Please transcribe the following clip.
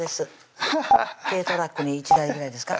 軽トラックに１台ぐらいですか